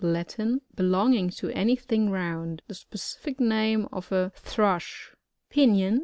— Latin. Belonging to any thing round. The specific nam» of a Thrush. Pinion.